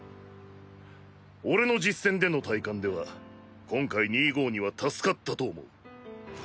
俺の“実戦”での体感では今回２５２は助かったと思う。